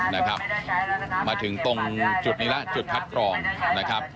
ไปถึงจุดคัดกรอง